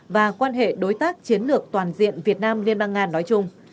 và quan hệ đối tác chiến lược toàn diện việt nam liên bang nga nói chung